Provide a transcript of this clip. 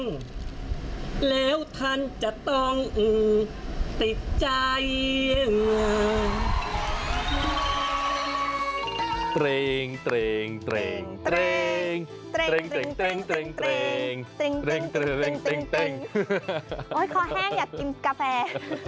ข้อแห้งอยากกินกาแฟ